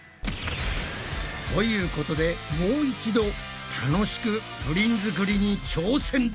ということでもう一度たのしくプリン作りに挑戦だ！